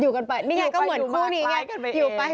อยู่กันไปนี่ไงก็เหมือนคู่นี้ไง